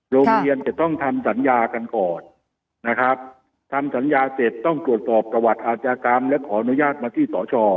จะต้องทำสัญญากันก่อนนะครับทำสัญญาเสร็จต้องตรวจสอบประวัติอาชญากรรมและขออนุญาตมาที่สช